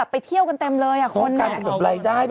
ไปเที่ยวกันเต็มเลยอะคนนี้ส่งการเป็นแบบรายได้